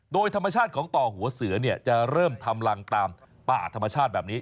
โดยธรรมชาติของต่อหัวเสือเนี่ยจะเริ่มทำรังตามป่าธรรมชาติแบบนี้